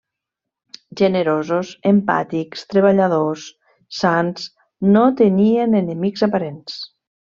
Generosos, empàtics, treballadors, sans, no tenien enemics aparents.